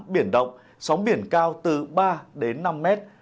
biển động sóng biển cao từ ba đến năm mét